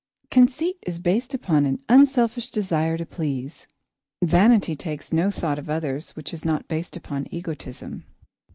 Conceit is based upon an unselfish desire to please; vanity takes no thought of others which is not based upon egotism.